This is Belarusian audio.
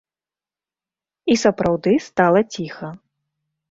І сапраўды стала ціха.